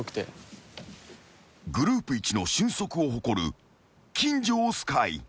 ［グループイチの俊足を誇る金城碧海］